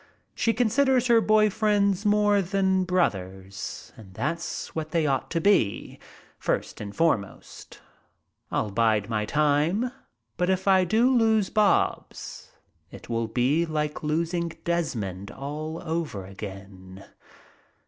She considers her boy friends more as brothers, and that's what they ought to be, first and foremost. I'll bide my time, but if I do lose Bobs, it will be like losing Desmond all over again."